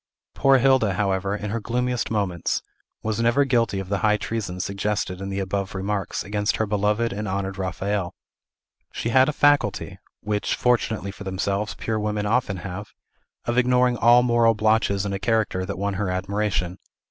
Poor Hilda, however, in her gloomiest moments, was never guilty of the high treason suggested in the above remarks against her beloved and honored Raphael. She had a faculty (which, fortunately for themselves, pure women often have) of ignoring all moral blotches in a character that won her admiration.